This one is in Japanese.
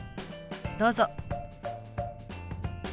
どうぞ。